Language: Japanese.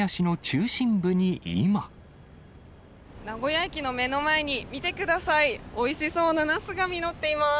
名古屋駅の目の前に、見てください、おいしそうなナスが実っています。